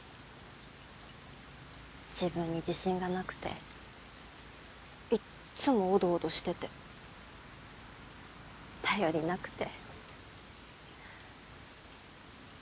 自分に自信がなくていっつもおどおどしてて頼りなくて。